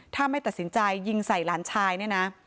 ถ้าไม่ตัดสินใจยิงใส่หลานชายเนี่ยนะ